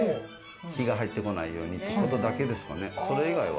日が入ってこないようにここだけですね。